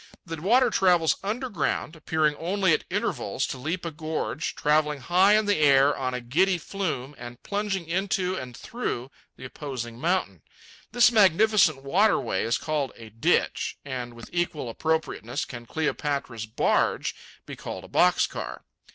The water travels underground, appearing only at intervals to leap a gorge, travelling high in the air on a giddy flume and plunging into and through the opposing mountain. This magnificent waterway is called a "ditch," and with equal appropriateness can Cleopatra's barge be called a box car.